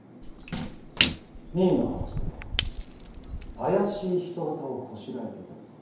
実衣の話では怪しい人形をこしらえていたとか。